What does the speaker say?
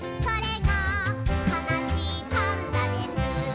「それがかなしいパンダです」